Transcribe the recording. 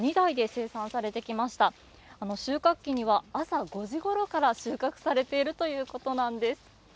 収穫期には朝５時ごろから収穫されているということなんです。